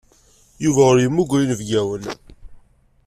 Yuba ur yemmuger inebgawen.